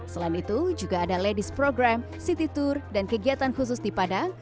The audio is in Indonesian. selain itu juga ada ladies program city tour dan kegiatan khusus di padang